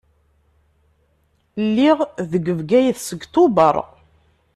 Lliɣ deg Bgayet seg Tubeṛ.